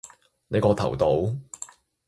你個頭度？